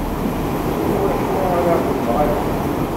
Iwacu ara xedmeɣ akken?